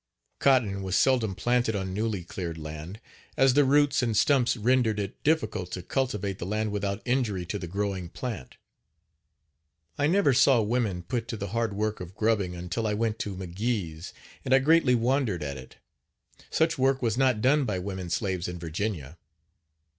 Cotton was seldom planted on newly cleared land, as the roots and stumps rendered it difficult to cultivate the land without injury to the growing plant. I never saw women put to the hard work of grubbing until I went to McGee's and I greatly wondered at it. Such work was not done by women slaves in Virginia.